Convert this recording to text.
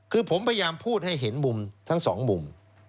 คือผมพยายามพูดให้เห็นมุมทั้งสองมุม